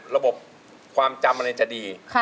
ระบบความจำอะไรจะดี